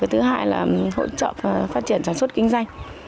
thứ hai là hỗ trợ phát triển sản xuất kinh doanh